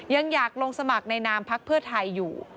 ยังอยากลงสมัครในนามพักเพื่อไทยอยู่